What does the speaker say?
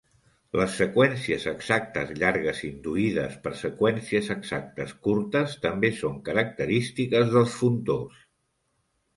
Les seqüències exactes llargues induïdes per seqüències exactes curtes també són característiques dels funtors.